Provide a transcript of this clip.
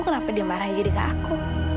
kenapa dia marah jadi ke aku